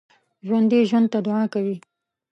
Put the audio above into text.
ژوندي ژوند ته دعا کوي